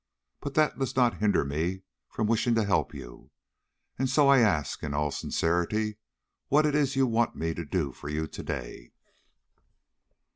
But that does not hinder me from wishing to help you, and so I ask, in all sincerity, What is it you want me to do for you to day?"